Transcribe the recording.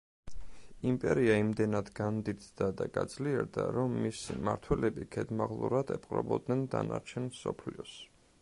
იმპერია იმდენად განდიდდა და გაძლიერდა, რომ მისი მმართველები ქედმაღლურად ეპყრობოდნენ დანარჩენ მსოფლიოს.